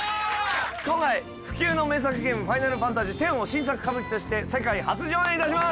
今回不朽の名作ゲーム「ファイナルファンタジーⅩ」を新作歌舞伎として世界初上演いたします